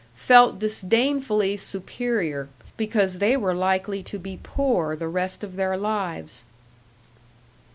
felt disdainfully superior, because they were likely to be poor the rest of their lives.